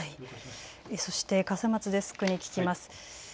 そして笠松デスクに聞きます。